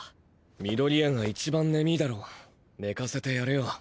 緑谷が一番眠ィだろ寝かせてやれよ。